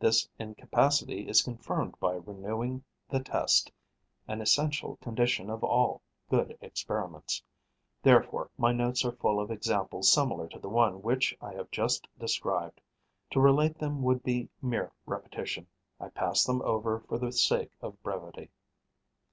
This incapacity is confirmed by renewing the test, an essential condition of all good experiments; therefore my notes are full of examples similar to the one which I have just described. To relate them would be mere repetition; I pass them over for the sake of brevity.